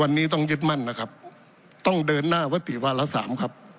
วันนี้ต้องยึดมั่นนะครับต้องเดินหน้าวติวาระสามครับ